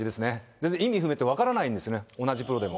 全然意味不明で、分からないんですよね、同じプロでも。